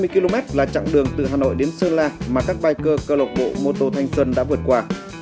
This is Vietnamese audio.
ba trăm hai mươi km là chặng đường từ hà nội đến sơn la mà các biker cơ lộc bộ moto thanh xuân đã vượt qua